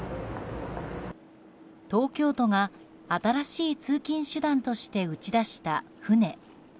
東京都が新しい通勤手段として打ち出した船。